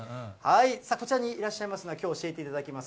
こちらにいらっしゃいますのは、きょう教えていただきます